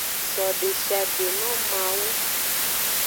So deshiade no mawu.